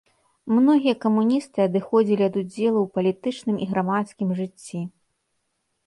Многія камуністы адыходзілі ад удзелу ў палітычным і грамадскім жыцці.